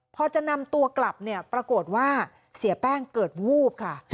พอจะนำตัวกลับเนี่ยปรากฏว่าเสียแป้งเกิดวูบค่ะ